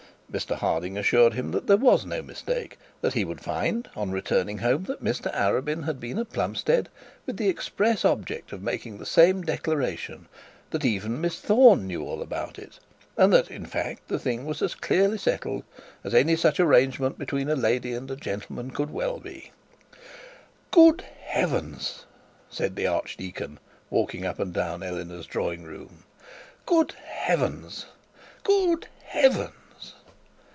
Mr Harding assured him that there was no mistake; that he would find, on returning home, that Mr Arabin had been at Plumstead with the express object of making to same declaration, that even Miss Thorne knew all about it; and that, in fact, the thing was as clearly settled as any such arrangement between a lady and a gentleman could be. 'Good heavens!' said the archdeacon, walking up and down Eleanor's drawing room. 'Good heavens! Good heavens!'